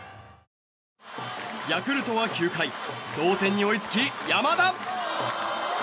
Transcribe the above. ヤクルトは９回同点に追いつき、山田。